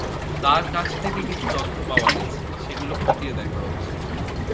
তাঁর কাছ থেকে কিছু তথ্য পাওয়া গেছে, সেগুলো খতিয়ে দেখা হচ্ছে।